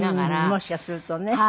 もしかするとね。